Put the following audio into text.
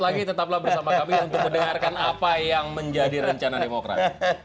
jadi tetaplah bersama kami untuk mendengarkan apa yang menjadi rencana demokrat